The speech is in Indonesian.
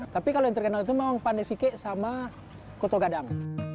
tapi kalau yang terkenal itu memang pandai sike sama kuto gadang